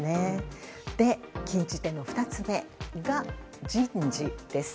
禁じ手の２つ目が人事です。